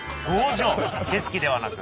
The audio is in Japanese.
景色ではなく。